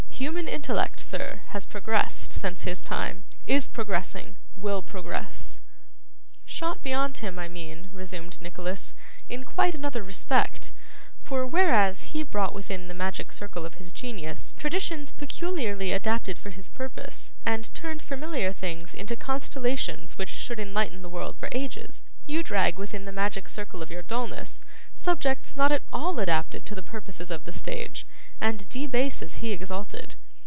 'Human intellect, sir, has progressed since his time, is progressing, will progress.' 'Shot beyond him, I mean,' resumed Nicholas, 'in quite another respect, for, whereas he brought within the magic circle of his genius, traditions peculiarly adapted for his purpose, and turned familiar things into constellations which should enlighten the world for ages, you drag within the magic circle of your dulness, subjects not at all adapted to the purposes of the stage, and debase as he exalted.